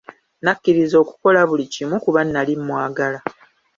Nakkiriza okukola buli kimu kuba nnali mwagala.